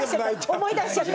思い出しちゃった。